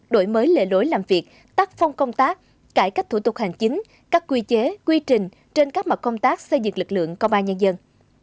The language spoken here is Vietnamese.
đổi mới lề lối làm việc tắc phong công tác cải cách thủ tục hành chính các quy chế quy trình trên các mặt công tác xây dựng lực lượng công an nhân dân